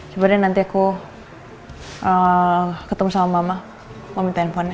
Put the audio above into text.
sebenarnya nanti aku ketemu sama mama mau minta handphonenya